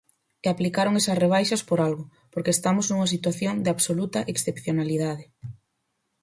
E aplicaron esas rebaixas por algo, porque estamos nunha situación de absoluta excepcionalidade.